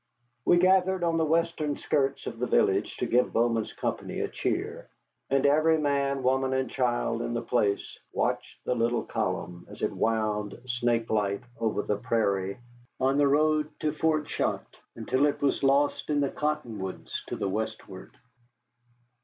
We gathered on the western skirts of the village to give Bowman's company a cheer, and every man, woman, and child in the place watched the little column as it wound snakelike over the prairie on the road to Fort Chartres, until it was lost in the cottonwoods to the westward.